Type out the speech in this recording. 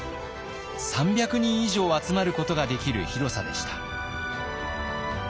３００人以上集まることができる広さでした。